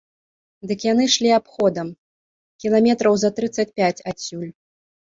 Дык яны ішлі абходам, кіламетраў за трыццаць пяць адсюль.